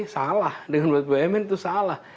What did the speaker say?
salah dengan buat bumn itu salah